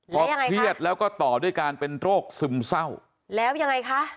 พอเครียดแล้วก็ต่อด้วยการเป็นโรคซึมเศร้าแล้วยังไงคะ